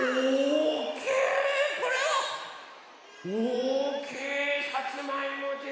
これはおおきいさつまいもですね！